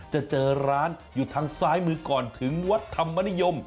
จะเจอร้านอยู่ทางซ้ายมือก่อนถึงวัดธรรมนิยม